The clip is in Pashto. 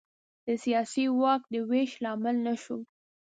د سیاسي واک د وېش لامل نه شو.